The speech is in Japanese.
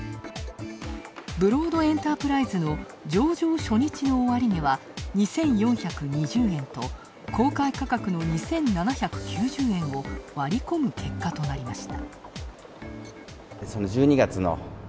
ブロードエンタープライズの上場初日の終値は２４２０円と、公開価格の２７９０円を割り込む結果となりました。